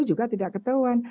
juga tidak ketahuan